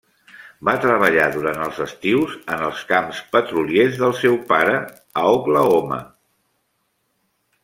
Va treballar durant els estius en els camps petroliers del seu pare a Oklahoma.